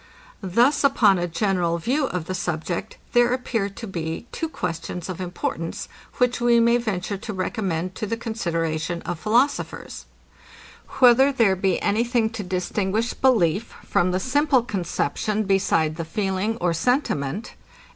Thus upon a general view of the subject, there appear to be two questions of importance, which we may venture to recommend to the consideration of philosophers, Whether there be any thing to distinguish belief from the simple conception beside the feeling of sentiment?